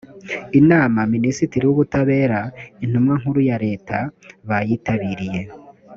inama minisitiri w’ubutabera intumwa nkuru ya leta bayitabiriye